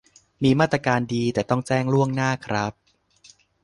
มีมาตรการดี แต่ต้องแจ้งล่วงหน้าครับ